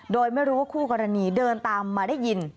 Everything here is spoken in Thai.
โดยไม่รู้ว่าคู่กรณีเดินตามมาได้ยิน